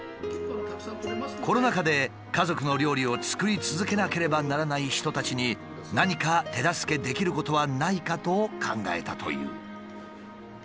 コロナ禍で家族の料理を作り続けなければならない人たちに何か手助けできることはないかと考えたという。